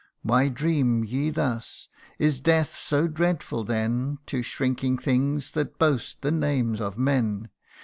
Why dream ye thus ? Is death so dreadful then To shrinking things that boast the name of men